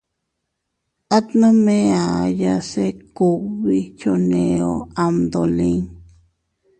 At nome aʼaya se kugbi choneo am dolin.